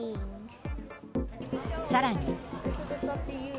さらに。